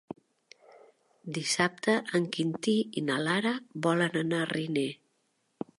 Dissabte en Quintí i na Lara volen anar a Riner.